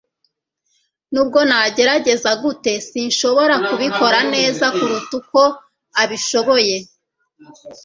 Nubwo nagerageza gute sinshobora kubikora neza kuruta uko abishoboye